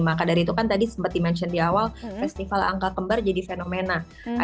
maka dari itu kan tadi sempat di mention di awal festival angka kembar jadi fenomena